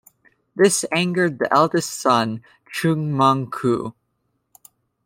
This angered the eldest son Chung Mong-koo.